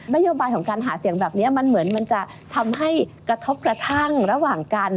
โยบายของการหาเสียงแบบนี้มันเหมือนมันจะทำให้กระทบกระทั่งระหว่างกัน